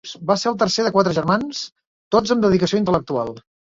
Va ser el tercer de quatre germans, tots amb dedicació intel·lectual.